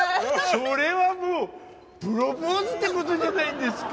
それはもうプロポーズって事じゃないんですか？